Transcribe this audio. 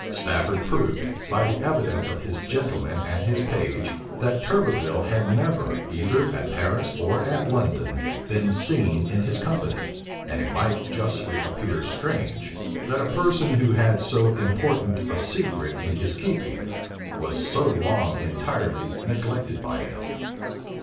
Stafford proved, by the evidence of his gentleman and his page, that Turberville had never, either at Paris or at London, been seen in his company; and it might justly appear strange, that a person who had so important a secret in his keeping, was so long entirely neglected by him.